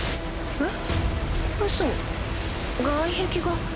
えっ？